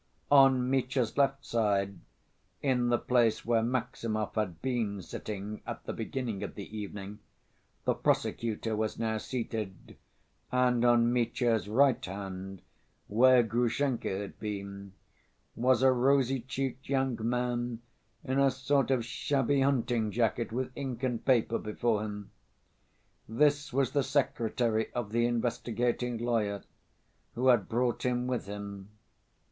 On Mitya's left side, in the place where Maximov had been sitting at the beginning of the evening, the prosecutor was now seated, and on Mitya's right hand, where Grushenka had been, was a rosy‐cheeked young man in a sort of shabby hunting‐jacket, with ink and paper before him. This was the secretary of the investigating lawyer, who had brought him with him.